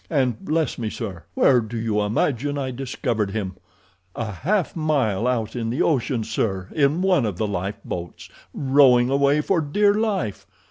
And, bless me, sir, where do you imagine I discovered him? A half mile out in the ocean, sir, in one of the lifeboats, rowing away for dear life.